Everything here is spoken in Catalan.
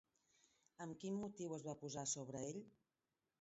Amb quin motiu es va posar sobre ell?